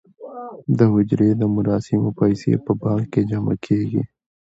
د حج د مراسمو پیسې په بانک کې جمع کیږي.